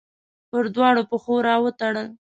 پر دواړو پښو راوتړل